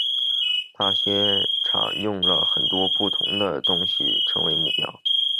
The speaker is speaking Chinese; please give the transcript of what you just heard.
那些场用了很多不同的东西成为目标。